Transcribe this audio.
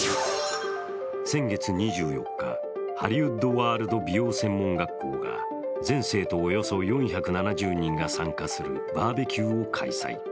先月２４日、ハリウッドワールド美容専門学校が全生徒およそ４７０人が参加するバーベキューを開催。